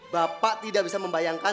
bapak tidak bisa membayangkan